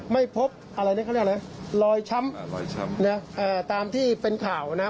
ไม่พบอะไรล็วนี่เขาเรียกอะไรลอยช้ำตามที่เป็นข่าว